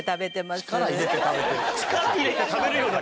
力入れて食べるような。